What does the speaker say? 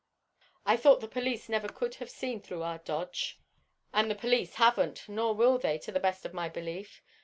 "I thought the police never could have seen through our dodge." "And the police haven't; nor will they, to the best of my belief.